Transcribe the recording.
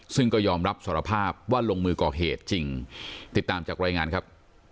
ซึ่งก็ยอมรับสารภาพว่าลงมือก่อเหตุจริงติดตามจากรายงานครับ